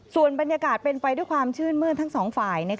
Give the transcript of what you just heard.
ส่วนบรรยากาศเป็นไปด้วยความชื่นมื้นทั้งสองฝ่าย